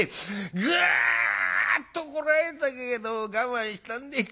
ぐっとこらえたけど我慢したんでい。